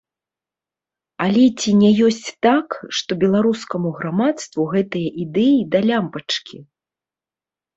Але ці не ёсць так, што беларускаму грамадству гэтыя ідэі да лямпачкі.